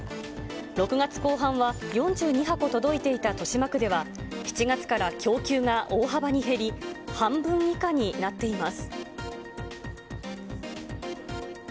６月後半は４２箱届いていた豊島区では７月から供給が大幅に減り、半分以下になっています。